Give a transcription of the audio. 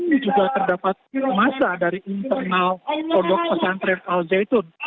ini juga terdapat masa dari internal pondok pesantren al zaitun